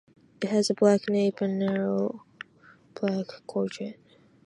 It has a black nape and a narrow black gorget.